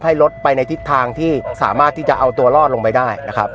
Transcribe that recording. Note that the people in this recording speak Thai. ให้รถไปในทิศทางที่สามารถที่จะเอาตัวรอดลงไปได้นะครับ